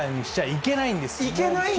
いけないんですか？